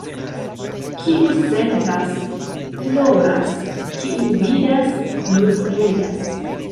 Kiu sentas — ploras, kiu vidas — nur ridas.